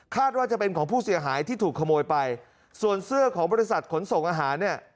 ว่าจะเป็นของผู้เสียหายที่ถูกขโมยไปส่วนเสื้อของบริษัทขนส่งอาหารเนี่ย